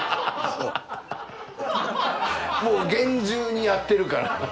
もう厳重にやってるから。